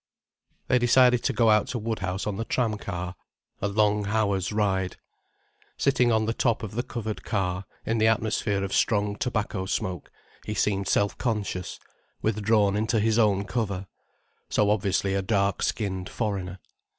They decided to go out to Woodhouse on the tram car, a long hour's ride. Sitting on the top of the covered car, in the atmosphere of strong tobacco smoke, he seemed self conscious, withdrawn into his own cover, so obviously a dark skinned foreigner.